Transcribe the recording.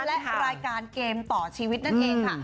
และรายการเกมต่อชีวิตนั่นเองค่ะ